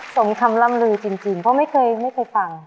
สมคำล่ำลือจริงเพราะไม่เคยฟัง